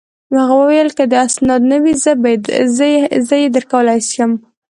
هغه وویل: که دي اسناد نه وي، زه يې درکولای شم.